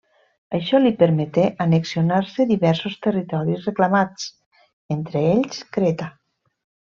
Això li permeté annexionar-se diversos territoris reclamats, entre ells, Creta.